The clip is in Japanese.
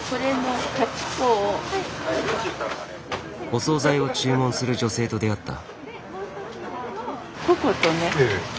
お総菜を注文する女性と出会った。